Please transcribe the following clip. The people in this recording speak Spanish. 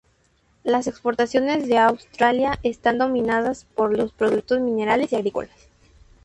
Las exportaciones de Australia están dominadas por los productos minerales y agrícolas.